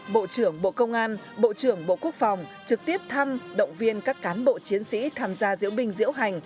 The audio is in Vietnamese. bộ trưởng bộ công an bộ trưởng bộ quốc phòng trực tiếp thăm động viên các cán bộ chiến sĩ tham gia diễu binh diễu hành